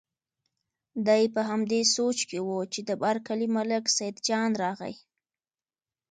دی په همدې سوچ کې و چې د بر کلي ملک سیدجان راغی.